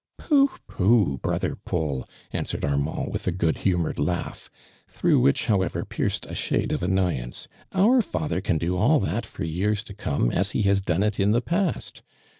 "Poohl pooh! brother Paul," answered Annand with a good humored laugh, through which, however, pierced a shade of aimoyance, " our father can do all that for years to come, as he has done it in the past.